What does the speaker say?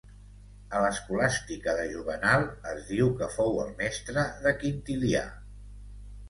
A l'Escolàstica de Juvenal es diu que fou el mestre de Quintilià.